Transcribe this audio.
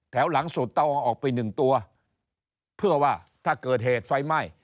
หลังสุดต้องเอาออกไปหนึ่งตัวเพื่อว่าถ้าเกิดเหตุไฟไหม้